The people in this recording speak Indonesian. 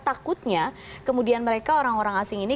takutnya kemudian mereka orang orang asing ini